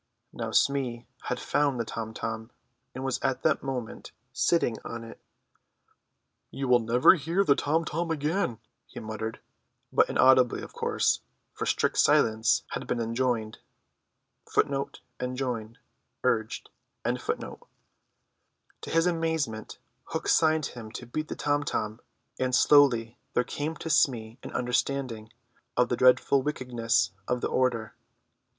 Now Smee had found the tom tom, and was at that moment sitting on it. "You will never hear the tom tom again," he muttered, but inaudibly of course, for strict silence had been enjoined. To his amazement Hook signed him to beat the tom tom, and slowly there came to Smee an understanding of the dreadful wickedness of the order.